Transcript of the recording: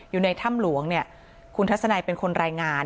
อยู่ในถ้ำหลวงเนี่ยคุณทัศนัยเป็นคนรายงาน